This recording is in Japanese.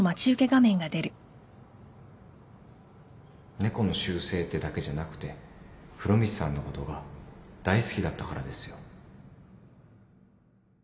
猫の習性ってだけじゃなくて風呂光さんのことが大好きだったからですよ